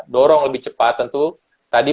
dorong lebih cepat tentu tadi